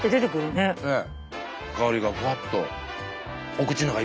ねえ。